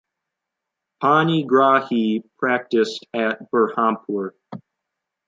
Panigrahi practiced at Berhampur.